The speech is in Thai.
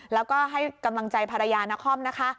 แล้วก็ให้กำลังใจภรรยานครนะคะ